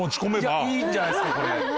いやいいんじゃないですかこれ。